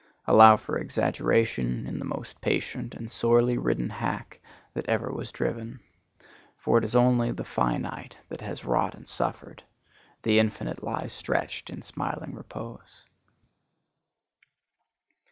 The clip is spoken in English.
Allow for exaggeration in the most patient and sorely ridden hack that ever was driven. For it is only the finite that has wrought and suffered; the infinite lies stretched in smiling repose.